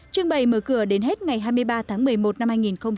trưng bày mở cửa đến hết ngày hai mươi ba tháng một mươi một năm hai nghìn hai mươi